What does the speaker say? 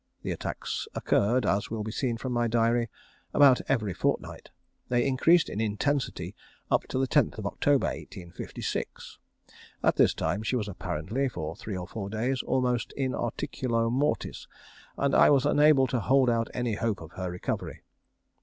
The attacks occurred, as will be seen from my diary, about every fortnight. They increased in intensity up to the 10th of October, 1856. At this time she was apparently, for three or four days, almost in articulo mortis, and I was unable to hold out any hope of her recovery.